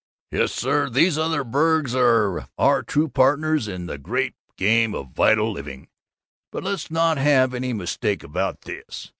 _ "'Yes, sir, these other burgs are our true partners in the great game of vital living. But let's not have any mistake about this.